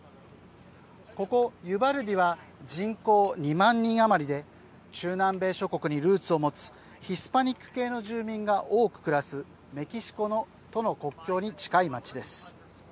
ここユバルディは人口２万人余りで中南米諸国にルーツを持つヒスパニック系の住民が多く暮らすメキシコとの国境に近い町です。